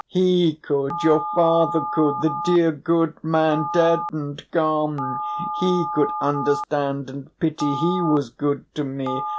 He could your father could, the dear good man, dead and gone! He could understand and pity, he was good to me.